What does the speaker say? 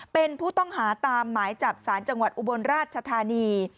เป็นผู้ต้องหาตามหมายจับสารจังหวัดอุบลราชธานี